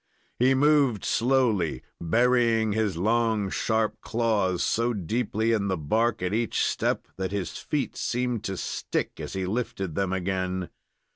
He moved slowly, burying his long, sharp claws so deeply in the bark at each step, that his feet seemed to stick as he lifted them again.